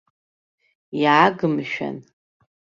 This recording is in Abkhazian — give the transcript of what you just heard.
Иааг, мшәан.